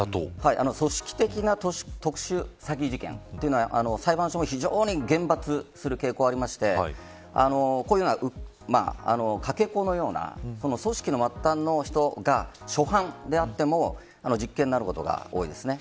組織的な特殊詐欺事件は裁判所も厳罰にする傾向がありましてかけ子のような組織の末端の人が初犯であっても実刑になることが多いです。